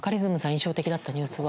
印象的だったニュースは？